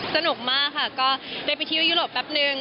สนุกมากค่ะก็ได้ไปเที่ยวยุโรปแป๊บนึง